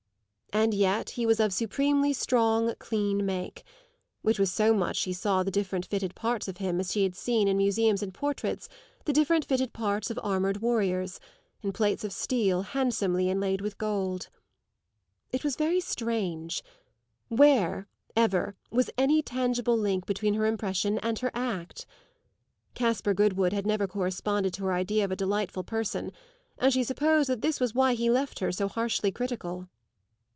And yet he was of supremely strong, clean make which was so much she saw the different fitted parts of him as she had seen, in museums and portraits, the different fitted parts of armoured warriors in plates of steel handsomely inlaid with gold. It was very strange: where, ever, was any tangible link between her impression and her act? Caspar Goodwood had never corresponded to her idea of a delightful person, and she supposed that this was why he left her so harshly critical.